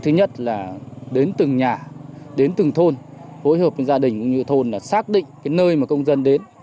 thứ nhất là đến từng nhà đến từng thôn hối hợp với gia đình cũng như thôn là xác định cái nơi mà công dân đến